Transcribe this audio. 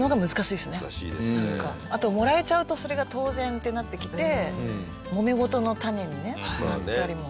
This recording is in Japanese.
あともらえちゃうとそれが当然ってなってきてもめ事の種にねなったりも。